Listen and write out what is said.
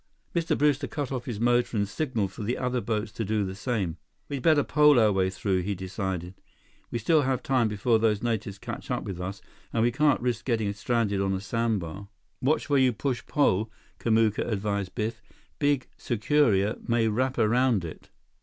Mr. Brewster cut off his motor and signaled for the other boats to do the same. "We'd better pole our way through," he decided. "We still have time before those natives catch up with us, and we can't risk getting stranded on a sandbar." "Watch where you push pole," Kamuka advised Biff. "Big sucuria may wrap around it."